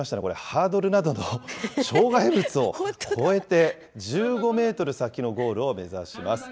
ハードルなどの障害物を越えて１５メートル先のゴールを目指します。